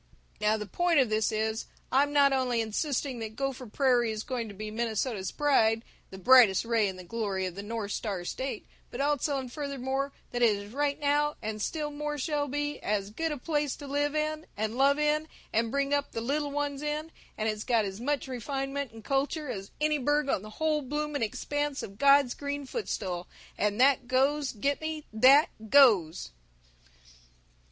"Now the point of this is: I'm not only insisting that Gopher Prairie is going to be Minnesota's pride, the brightest ray in the glory of the North Star State, but also and furthermore that it is right now, and still more shall be, as good a place to live in, and love in, and bring up the Little Ones in, and it's got as much refinement and culture, as any burg on the whole bloomin' expanse of God's Green Footstool, and that goes, get me, that goes!"